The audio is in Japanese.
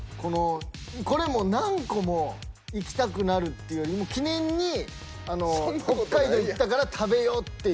これも何個もいきたくなるっていうよりも記念に北海道行ったから食べようっていうもの。